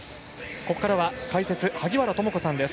ここからは解説萩原智子さんです。